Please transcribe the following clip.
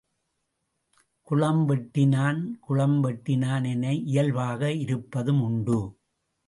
குளம் வெட்டினான் குளம் வெட்டினான் என இயல்பாக இருப்பதும் உண்டு.